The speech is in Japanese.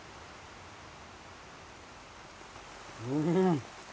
うん！